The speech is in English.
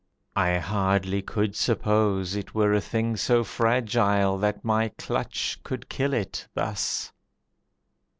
I hardly could suppose It were a thing so fragile that my clutch Could kill it, thus.